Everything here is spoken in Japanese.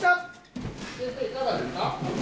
先生いかがですか？